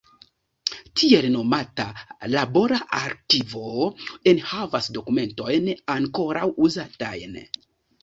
Tiel nomata "labora arkivo" enhavas dokumentojn ankoraŭ uzatajn.